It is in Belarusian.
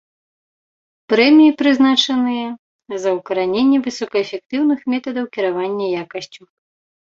Прэміі прызначаныя за ўкараненне высокаэфектыўных метадаў кіравання якасцю.